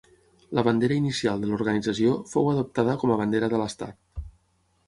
La bandera inicial de l'organització fou adoptada com a bandera de l'estat.